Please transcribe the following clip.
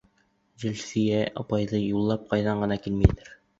Зөлфиә апайҙы юллап ҡайҙан ғына килмәйҙәр!